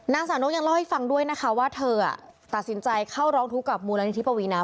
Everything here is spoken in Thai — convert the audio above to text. นางสาวนกยังเล่าให้ฟังด้วยนะคะว่าเธอตัดสินใจเข้าร้องทุกข์กับมูลนิธิปวีนา